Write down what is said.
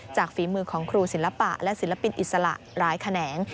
ฝีมือของครูศิลปะและศิลปินอิสระหลายแขนง